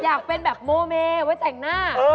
อยากเป็นแบบโมเมไว้แต่งหน้า